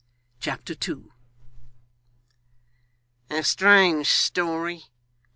Chapter 2 'A strange story!